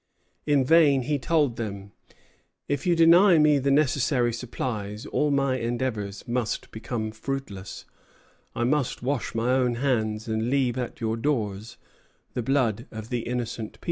In vain he told them, "If you deny me the necessary supplies, all my endeavors must become fruitless; I must wash my own hands, and leave at your doors the blood of the innocent people."